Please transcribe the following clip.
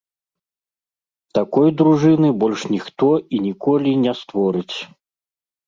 Такой дружыны больш ніхто і ніколі не створыць.